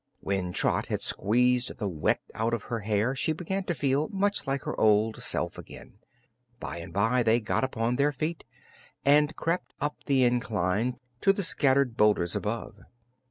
When Trot had squeezed the wet out of her hair she began to feel much like her old self again. By and by they got upon their feet and crept up the incline to the scattered boulders above.